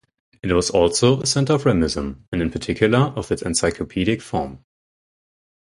It was also a centre of Ramism, and in particular of its encyclopedic form.